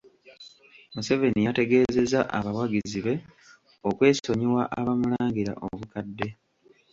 Museveni yategeezezza abawagizi be okwesonyiwa abamulangira obukadde.